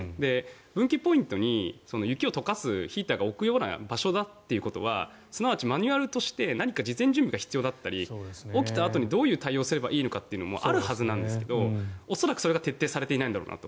分岐ポイントに雪を溶かすヒーターを置くような場所だというのはマニュアルとして何か事前準備が必要だったり起きたあとにどう対応すればいいのかもあるはずなんですが恐らくそれが徹底されていないんだろうなと。